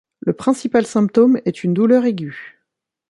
Le principal symptôme est une douleur aiguë.